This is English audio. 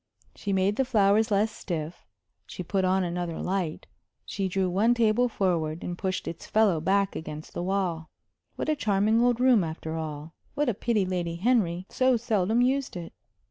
She made the flowers less stiff; she put on another light; she drew one table forward and pushed its fellow back against the wall. What a charming old room, after all! What a pity Lady Henry so seldom used it!